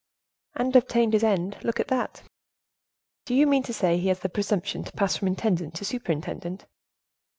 "And obtained his end; look at that." "Do you mean to say he has the presumption to pass from intendant to superintendent?"